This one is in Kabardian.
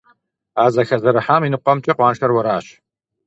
А зэхэзэрыхьам и ныкъуэмкӀэ къуаншэр уэращ.